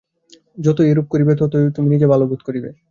যতই এইরূপ করিবে, ততই তুমি নিজে ভাল বোধ করিবে।